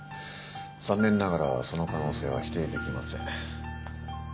残念ながらその可能性は否定できません」